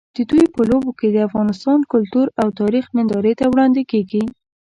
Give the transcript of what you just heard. د دوی په لوبو کې د افغانستان کلتور او تاریخ نندارې ته وړاندې کېږي.